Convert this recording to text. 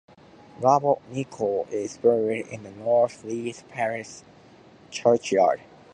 Robert Nicoll is buried in the North Leith Parish Churchyard.